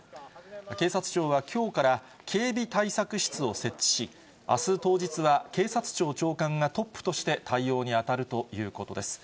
警察庁はきょうから警備対策室を設置し、あす当日は、警察庁長官がトップとして対応に当たるということです。